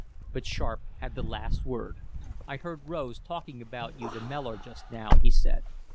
But Sharp had the last word. "I heard Rose talking about you to Mellor just now," he said.